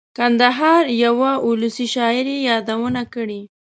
کندهار یوه اولسي شاعر یې یادونه کړې.